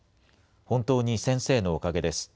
本当に先生のおかげです。